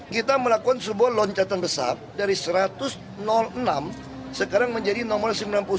kita melakukan sebuah loncatan besar dari satu ratus enam sekarang menjadi nomor sembilan puluh delapan